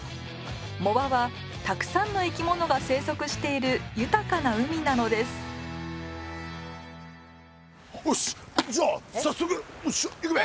藻場はたくさんの生き物が生息している豊かな海なのですよしじゃあ早速行くべ。